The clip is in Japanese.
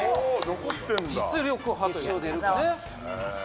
残ってんだ実力派ということですね